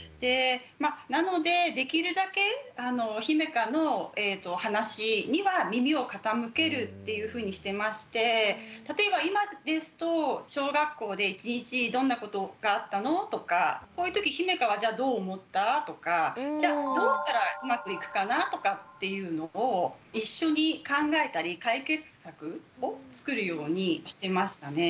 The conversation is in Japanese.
なのでできるだけひめかの例えば今ですと小学校で一日どんなことがあったの？とかこういうときひめかはじゃあどう思った？とかじゃどうしたらうまくいくかな？とかっていうのを一緒に考えたり解決策をつくるようにしてましたね。